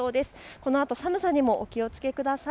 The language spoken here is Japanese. このあと寒さにもお気をつけください。